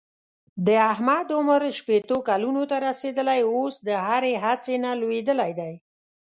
د احمد عمر شپېتو کلونو ته رسېدلی اوس د هرې هڅې نه لوېدلی دی.